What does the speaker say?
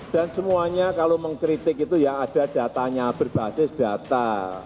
dan semuanya kalau mengkritik itu ya ada datanya berbasis data